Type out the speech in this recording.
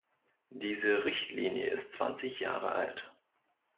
Diese Richtlinie ist zwanzig Jahre alt.